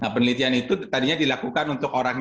penelitian itu tadinya dilakukan untuk orangnya